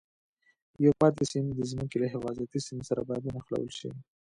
یو پاتې سیم د ځمکې له حفاظتي سیم سره باید ونښلول شي.